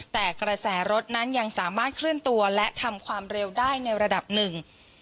แต่กระแสรถนั้นยังสามารถเคลื่อนตัวและทำความเร็วได้ในระดับหนึ่ง